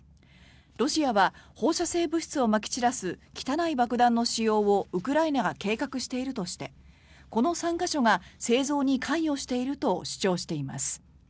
ロシアは放射性物質をまき散らす汚い爆弾の使用をウクライナが計画しているとしてこの３か所が製造に関与していると主張しています。